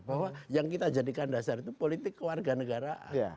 bahwa yang kita jadikan dasar itu politik kewarganegaraan